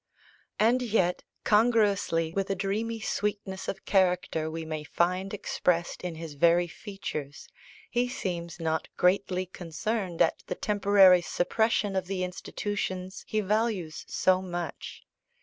And yet, congruously with a dreamy sweetness of character we may find expressed in his very features, he seems not greatly concerned at the temporary suppression of the institutions he values so much.